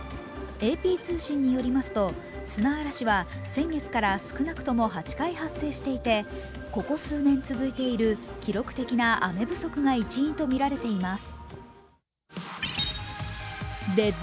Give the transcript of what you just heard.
ＡＰ通信によりますと砂嵐は先月から少なくとも８回発生していてここ数年続いている、記録的な雨不足が一因とみられています。